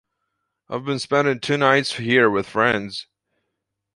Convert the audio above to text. I've been spending two nights here with friends.